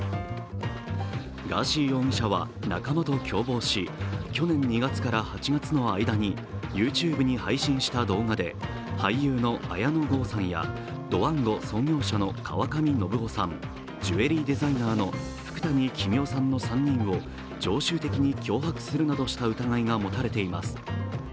ガーシー容疑者は仲間と共謀し、去年２月から８月の間にＹｏｕＴｕｂｅに配信した動画で俳優の綾野剛さんやドワンゴ創業者の川上量生さん、ジュエリーデザイナーの福谷公男さんの３人を常習的に脅迫するなどした疑いが持たれています。